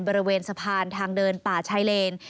บริเวณสะพานทางเดินป่าชายเลน